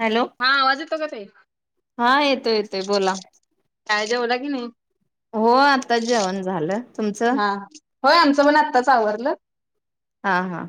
Hello हा आवाज येतो का ताई? हा येतो येतो. ते बोला काय जेवला की नाही? हो आता जेवण झालं. तुमचं हा होय आमचं मण आत्ताच आवरलं हा हा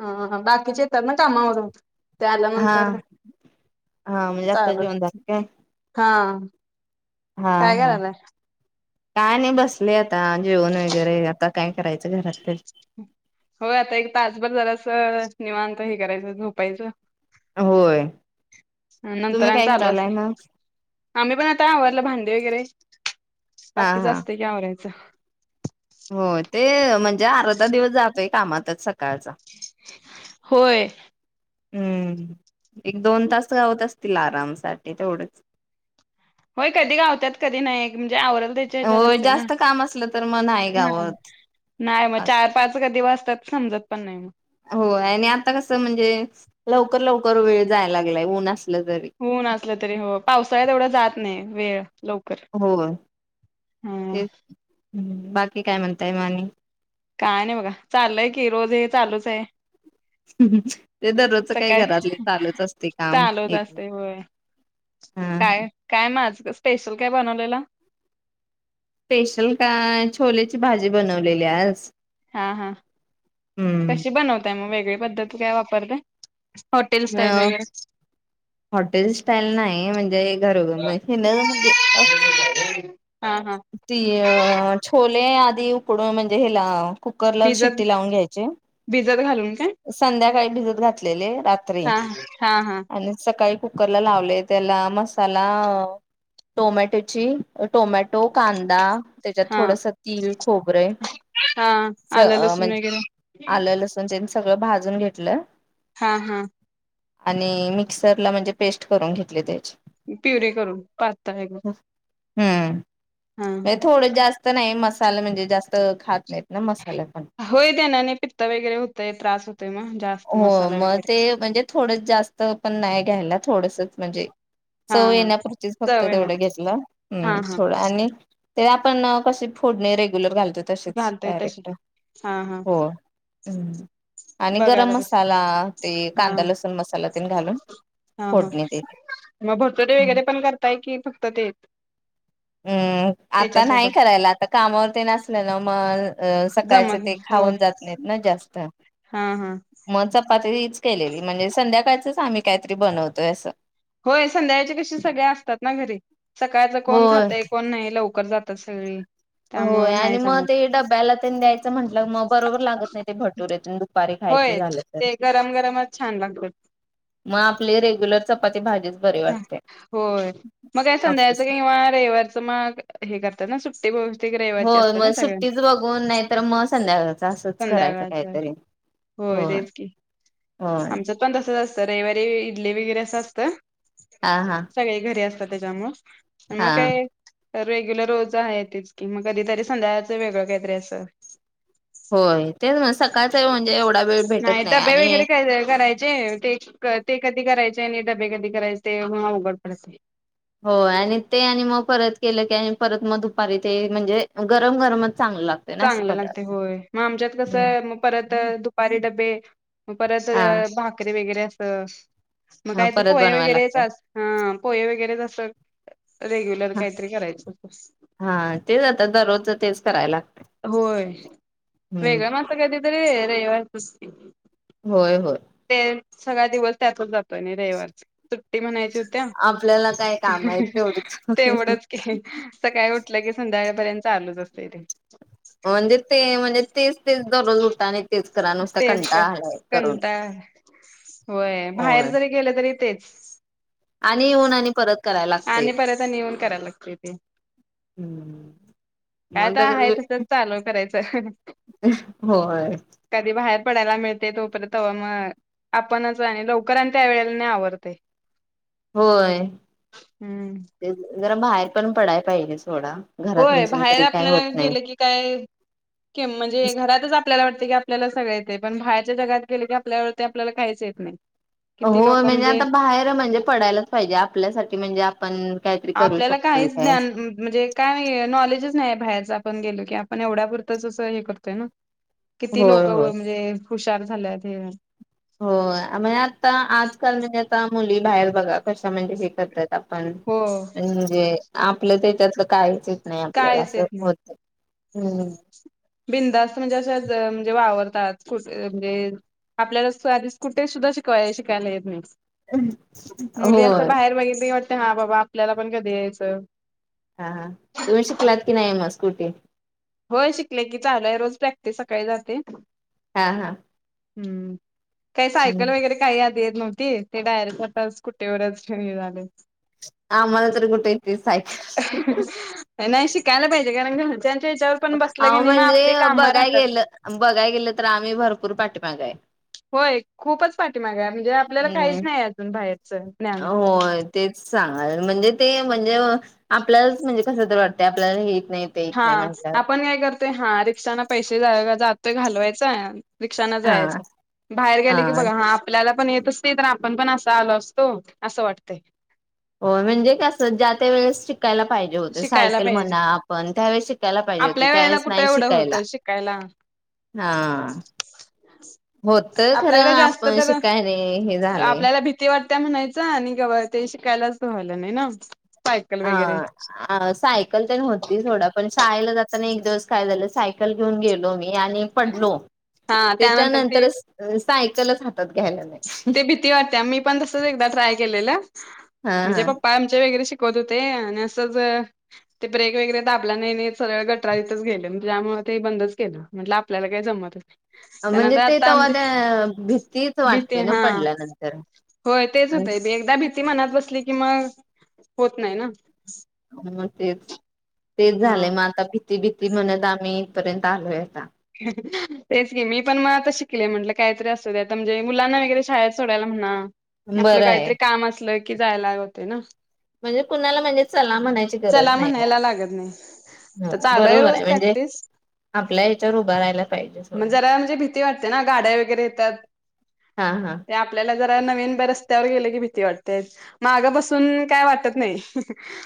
हा हा बाकीचेता ना कामावर होत हा हा म्हजे आता जऊन काय हम हा हा कायगरलाय काय नाही बसले आता त जे न वगैरे काय करायचं घरात तर हो आता एक तासभर झाला अस निवांत हे करायचं झोपायचं होय नंतर तुम्ही आणि काय चालू करायलाय असे मग आम्ही पण आता आवरलं भांडी वगैरे हा बाकीच हा असते की आवरायच [inaudible] हो ते म्हणजे अर्धा दिवस जातोय कामातच सका कायचा होय हम्म एक दोन तास गावत असतील आरामसाठी तेवढच होय कधी गावतात कधी नाही आ त्याच्या हच्यावर हो असते ना जास्त काम असलं तर मग नाही गावत नाही मग चार पाच कधी वासतात समजत पण नाही मग हो आणि आता कसं म्हणजे लवकर लवकर वेळ जायला लागलाय नच होऊन असलं तरी हो पावसाळ्यात एवढं जात नाही वेळ लवकर. हो हम्म तेच हम् बाकी काय म्हणताय मानी काय नाही बघा चालय की रोज हे चालूच आहे ते दररोज काही सकाळी घरातले चालूच असते काम चालूच एक असते होय हा काय काय माझ स्पेशल कॅब आणनवलेला स्पेशल काय छोलेची भाजी बनवलेली आस हा हा कशी बनवताय मग वेग वगळे पद्धत काय वापरते हॉटेल स्टाईल अ वगैरे हॉटेल स्टाईल नाही म्हणजे घरोघर ना म्हणजे हा हा ती अ छोले आी उकडून म्हणजे हे लाव कुकरला भिजत शिट्टी लावून घ्यायची भिजत घालून काय संध्याकाळी भिजत घातलेले रात्री हा हा हा आणि सकाळी कु लावले त्याला मसाला टोमॅटोची कांदा त्याच्यात हा थोडस तल खोबरे हा आलं लसूण म्हणज वगैरे आलं त्यां सगळं भाजून घेतलं हा हम् आणि मिक्सरला म्हणजे पेस्ट करून घेतली त्याची पिवरे करून पाातताय का हम्म हे थोडं जास्त नाही मसाला म्हणजे जास्त खात नाही मसाला पण होय त्यानाने पित्त वगैरे होतय त्रास होतोय मग जास्त हो मसाला मग वगैरे ते म्हणजे थोड जास्त पण नाही घ्यायला थोडस म्हणजे हा चव हा येण्यापुरचीच फक्त चव येणार तेवढं घेतला् हा हा थोड ते आपण कसे फोडणे रेग्युलर घालतो तशिच घालतय तशी डायरेक्ट हा हा हो हम् बघायला ब हा कांदा लसूण मसाला तेन घालून हा हा फोडणी दिली. मग भर्तडे वगैरे पण करताय कि फक्त ते हम्म आता नाही त्याच्यासोबत करायला आता कामावरती नसलं ना मग अ जमत सकाळचे ते नाही खाऊन होय जात नाहीत ना जास्त हा हा म तीच केलेली म्हणजे संध्याकाळच आम्ही काहीतरी बनवतोय असं होय संध्याच्या कशी सगळ्या असतात ना घरी सकाळच कोण होय. खातय कोण नाही लवकर कर जातात सगळी होय त्यामुळं नाही आणि मग जमत ते डब्याला तेन द्यायचं म्हंटलं मग बरोबर लागत नाही ते भटूरे दुपारी खायचं होय झालं तर ते गरम गरमच छान लागतात मग आपले रेग्युलर चपाती भाजीच बरी वाटते होय मग काय हापूस संध्याकायचं किंवा रविवारचं मग हे करतात ना सुट्टी ब हो मग सुट्टीच बघून नाहीतर मग संध्याकाळच असंच करायचं संध्याकाळचं काहीतरी. होय तेच की होय. आमच्यात पण तसंच अस तर रविवारी इडली वगैरे असं असतं. हा हा सगळे घरी असत तेचामुळं हा मग काय रेग्युलर रोज आहे तेच की मग कधीतरी संध्याकाळचं वेगळं काहीतरी असं होय तेच सकाळच म्हणजे एवढा वेळ भेटत नाही डबे आणि वगैरे करायचे ते ते कधी करायचे आणि डबे कधी करायचे ते मग अवघड पडतय. हो आणि ते आणि मग परत केलं की आणि परत मग दुपारी ते म्हणजे गरम गरम चांगलं लागते होय मग आमच्यात हम्म कसं मग परत दुपारी डबे परत हा भाकरीे वगैरे असते. त मग हा काहीतरी परत पोहे बनवायला वगैरेच लागतय अस हा पोहे वगैरेच असं रेग्युलर काहीतरी करायचं हा तेच आता दररोज तेच कराय लागत. होय वेगळं मस्ं कधी तरी रविवारचंच की होय होय ते सगळा दिवस त्यातच जातो. आणि रविवारच ते म्हणायचे आपल्याला काय काम आहेत तेवढीच तेवढच की सकाळी उठलं की संध्याळपर्यंत चालूच असते इथे म्हणजे ते म्हणजे तेच तेच दररोज उठा आणि तेच करा नुसता तेच काय कंटाळा आलाय करून. कंटाळ बाहेर होय जरी गेलं तरी तेच. आणि येऊन आणि परत करायला आणि लागतयच परत आणि येऊन करायला लागते ते हम्म काय तर मग आहे तसच चालू करायचं. होय कधी बाहेर पडायला मिळते तोपर्यंत तवा मग आपणच आणि लवकर आणि त्या वेळेला आणि आवरते. होय -तेज जरा बाहेर पण पडाय पाहिजेच होय बाहेर आपल्याला गेल की काय कीम म्हणजे घरातच आपल्याला वाटत की आपल्याला सगळ येत ते पण बाहेरच्या जगात गेल की आपल्या वाटतय आपल्याला काहीच येत नाही किती हो लोक म्हणजे आता बाहेर म्हणजे पडायलाच पाहिजे आपल्यासाठी म्हणजे आपण काहीतरी करू आपल्याला शकतोय काहीच काय ज्ञान म्ह म्हणजे काय नॉलेजच नाही बाहेरच ज आपण गेलो की आपण एवढ्यापुरतच असं हे करतोय ना किती होय लोक होय व मजे हुशार झाल्यात हे होय अमी आत्ता आजकाल म्हणजे आता मुली बाहेर बघा कशा म्हणजे हे करतायत त आपण हो म्हंजे आपलं ते त्यातलं कायचं येत नाही आपल्याला कायच येत असं नाही होत. हम्म बिंदास्त म्हणजे अशाच म्हणजे वावरतात कुट म्हणजे आपल्यालाच आधी कुठे सुद्धा शिकवाय शिकायला येत नाही. होय. ते हा बाबा आपल्याला पण कधी यायचं, हा हा तुम्ही शिकलात कि नाही मग स्कूटी? होय शिकले की चालय रोज प्रॅक्टिस सकाळी जाते. हा हा हम्म काही सायकल वगैरे काही यात येत नव्हती ते डायरेक्ट आताच स्कुटीवरच ठेव ही झाले. आम्हाला तर कुठे येते सायकल [unintelligible] नाही नाही शिकायला पाहिजे कारण की घरच्यांच्या ह्याच्यावर पण बसलं अव नाही मग म्हणजे आपली कामं बघाय राहतात. गेलं बघाय गेलं तर आम्ही भरपूर पाठीमाग हाय. होय खूपच पाठ पाठीमागय म्हणजे, आपल्याला हम्म काहीच नाही अजून बाहेरच ज्ञान होय तेच सांगाल म्हणजे ते म्हणजे, आपल्यालाच म्हणजे, कस तर वाटत आपल्याला हे नाही ते येत हा नाही म्हटलं आपण काय करतो. ते हा रिक्षांना पैशे जा जातय घालवायचं रिक्षान हा जायचं बाहेर गेलं की बघा हा आपल्याला पण येत. तस नाही तर आपण पण असा आलो असतो असं वाटतंय. हो म्हणजे कस ज्या त्या वेळेस शिक - शिकायला पाहिजे होते, शिकायला सायकल पाहिजे म्हणा आपण त्यावेेळेस शिकायला पाहिजे होती आपल्या वेळेला त्यावेेळेस कुठे नाही. एवढं शिकायला होतं शिकायला ह होत खरं आपल्याकडे जास्त आपण तर शिकायने हे झालेय. त्या म्हणायच आणि गबा ते शिकायलाच व्हाला नाही ना! सायकल वगैरे अ सायकल तर नव्हती थोडा पण शाळेला जाताना एक दिवस काय झालं सायकल घेऊन गेलो मी आणि पडलो हा त्यानंतर ते त्याच्यानंतर सायकल ते भीती वाटते मी पण तसच एक ट्राय केलेलं, हा म्हणजे हा पप्पा आम वगैरे शिक शिकत होते आणि असंच ते ब्रेक वगैरे तर आपल्या न सगळ गटरा इथच गेले, त्यामुळे ते बंदच केलं म्हट आपल्याला काय जमत म्हणजे, ते तर वा त्या भीती भीती हा होय तेच आणि होतय ते एकदा मा मनात बसली कि म होत नाही ना! नमस्ते तेच हा झालंय मग आता प ती भीती म्हणत आम्ही इथपर्यंत आलोयता तेच गे मी पण म त ले म्हटलं काहीतरी असतं त्या म्हणजे मुलांना वगैरे शाळेत सोडायला म्हणा आपलं बरं आहे काहीतरी काम असलं जायला लाग होते ना म्हणजे कुणाला म्हणजे चला म्हणायची गरज चला नाही म्हणायला लागत नाही तर चालू बरोबर रोज आहे म्हणजे प्रॅक्टिस आपल्या हच्यावर मग जरा म्हणजे भीती वाटते ना गाड्या वगैरे येतात हा हा ते आपल्याला जरा नवीन रस्त्यावर गेले की भ वाटते मागं बसून काय वाटत नाही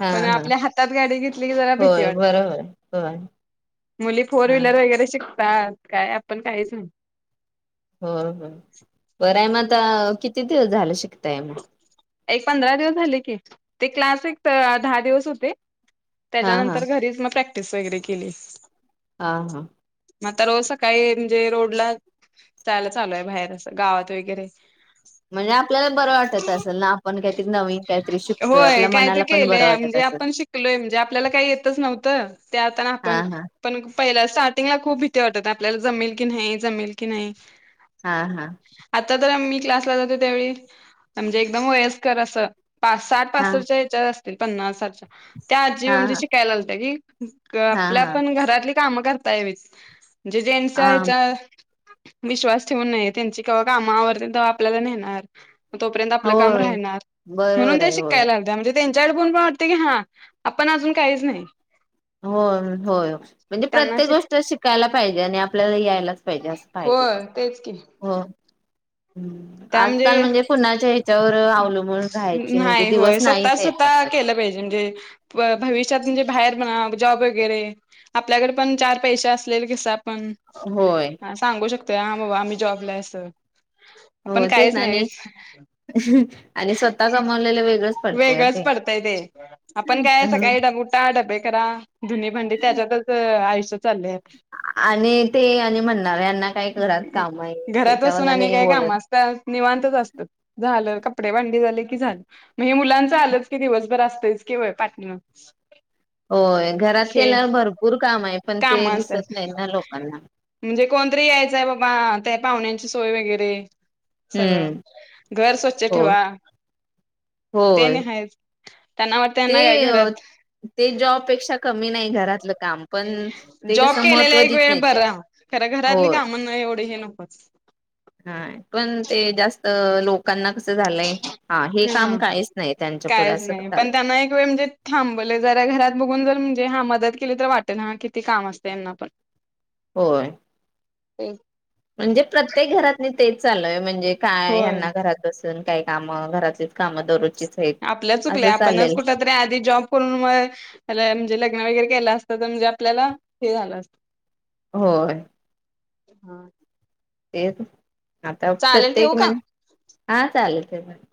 हा पण हा आपल्या हातात गाडी घेतली क ज भीती होय वाटते बरोबर होय मुली फोर हा वलर वगरे काय आपण काय सांग हो हो बर आहे म आता किती तिती झालं शिक एक पंधरा दिवस झाले की ते क्लास एक दहा दिवस होते हा हा त्याच्यानंतर घरीच मग प्रॅ वगैरे केली हा हा मग आता रोज सकाळी म्हणजे रोडला जायला चालू आहे बाहेर अस गावात वगैरे म्हणजे आपल्याला बरं वाटत असेल ना आपण काहीतरी नवीन काहीतरी शिकतोय होय आपल्या काहीतरी मनाला पण बरं केलंय वाटत म्हणजे असेल आपण शिकलोय म्हणजे आपल्याला काही येतच नव्हतं ते आता ना हा आपण हा पण पहिल्या स्टार्टिंगला खूप भीती वाटत आपल्याला जमेल की नाही जमेल की नाही हा हा आता तर मी क्लासला जाते त्यावेळी म्हणजे एकदम वयस्कर असं पा साठ हा पासष्ट च्या हेच्यात ते पन्नास साठ च्या त्या आजी हा म्हणजे हा शिकायला आलत्या की हा आपल्या हा पण घरातली काम करता यावीत म्हणजे जेंट्स च्या हा हेच्या विश्वास ठेवू नये त्यांची कवा काम आवरतील तवा आपल्याला नेणार तोपर्यंत आपलं काम होय राहणार म्हणून बरोबर ते आहे होय शिकायला जा म्हणजे त्यांच्याकडे पण पा वाटतंय की हां आपण अजून काहीच नाही होय होय म्हणजे त्यांना प्रत्येक शिक गोष्ट शिकायला पाहिजे आणि आप पल्याला यायलाच [unintelligible] पाहिजे होय तेच की होय आजकाल म्हणजे कुणाच्या हे नाही होय नाहीच स्वतः स्वतः येतात केलं पाहिजे म्हणजे भ भविष्यात म्हणजे बाहेर म्हणा जॉब वगैरे आपल्याकडे पण चार पैसे असलेले कस पण होय सांगू शकतो तोय हां बाबा आम्ही जॉबला हाय असं पण हो तेच काहीच ना नाही आणि आणि स्वतः कमावलेलं वेगळंच पडतंय ओ वेगळंच ते. पडतय ते आपण काय सकाळी डब उठा डबे करा धुनी भांडी त्याच्यातच आयुष्य चाललेय आणि ते आणि म्हणणार यांना काय घरात काम आहेत घरात असून त्याच्यावरन आणि हे काय काम बोलत असतात निवांतच असतात झालं कपडे भांडी झालं की झालं म हे मुलांच आलंच की दिवसभर असतयच की बाई पाटण होय घरात हे केल्यावर भरपूर काम आहे पण काम ते दिसत असतात नाही ना लोकांना. म्हणजे कोणतरी यायचंय बाबा ते पा वण्यांची सोय वगैरे सगळं हम्म घर स्वच्छ होय ठेवा ते होय नाही आहेच त्यांना वाटत ते त्यांना काय घरात ते जॉब पेक्षा कमी नाही घरातलं काम पण ते जॉब कसं केलेला महत्त्व एक देत वेळ नाहीत बरा खर घरातली काम नाही हो वढ हे नकोच हा पण ते जास्त लोकांना कस हा नाही त्यांच्या पुढे कायच असं नाही पण झालंय त्यांना एक वेळ म्हणजे थांबले जरा घरात बघून जर हा मदत केली तर वाटेल ह किती काम असत यांना पण होय ते म्हणजे प्रत्येक घरात [inaudible] तेच चाललोय म्हणजे काय होय ह्यांना घरात बस काही काम घरातलीच काम दरोजची आपल चुकल आपणच कुठ तरी आधी जॉब करून म म्हणजे लग्न वगैरे केलं असत तर म्हणजे आपल्याला हे झालं असत होय हा ते एक आता प्रत्येक ठेवू का? म्हण हा चालेल ते पण.